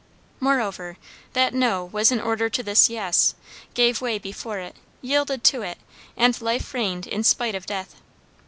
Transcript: Moreover, that "No" was in order to this "Yes;" gave way before it, yielded to it; and life reigned in spite of death.